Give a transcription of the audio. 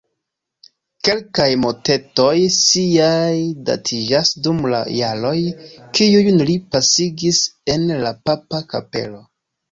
Kelkaj motetoj siaj datiĝas dum la jaroj, kiujn li pasigis en la papa kapelo.